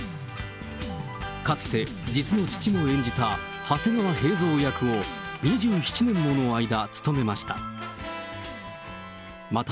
かつて、実の父も演じた長谷川平蔵役を、２７年もの間務めました。